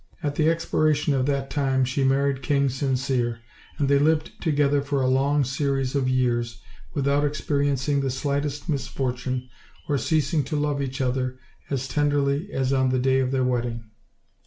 At the expiration of that time she married King Sincere, and they lived together for a long series of years, without experiencing the slightest misfortune, or ceasing to love each other as tenderly as on the day of their wedding.